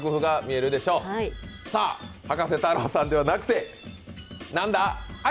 葉加瀬太郎さんではなくて何だ？